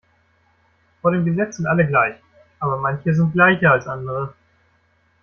Vor dem Gesetz sind alle gleich, aber manche sind gleicher als andere.